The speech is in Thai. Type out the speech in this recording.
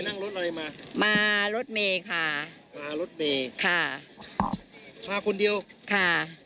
นั่งรถอะไรมามารถเมย์ค่ะมารถเมย์ค่ะมาคนเดียวค่ะ